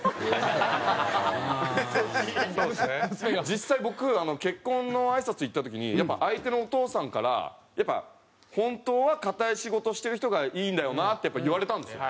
実際僕結婚のあいさつ行った時にやっぱり相手のお父さんから「本当は堅い仕事してる人がいいんだよな」ってやっぱり言われたんですよ。